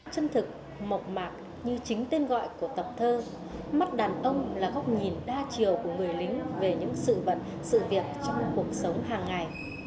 chân thực mộc mạc như chính tên gọi của tập thơ mắt đàn ông là góc nhìn đa chiều của người lính về những sự vật sự việc trong cuộc sống hàng ngày